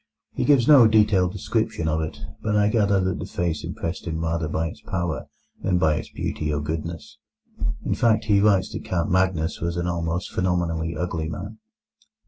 He gives no detailed description of it, but I gather that the face impressed him rather by its power than by its beauty or goodness; in fact, he writes that Count Magnus was an almost phenomenally ugly man.